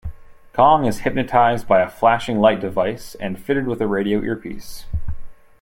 Kong is hypnotized by a flashing light device and fitted with a radio earpiece.